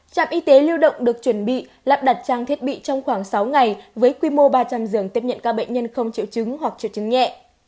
trạm y tế lưu động được chuẩn bị lắp đặt trang thiết bị trong khoảng sáu ngày với quy mô ba trăm linh giường tiếp nhận các bệnh nhân không triệu chứng hoặc triệu chứng nhẹ